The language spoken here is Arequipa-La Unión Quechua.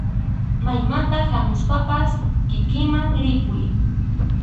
Maymanta hamuspapas kikinman ripuy.